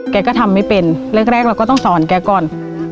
แกก็ทำไม่เป็นแรกเราก็ต้องสอนแกก่อน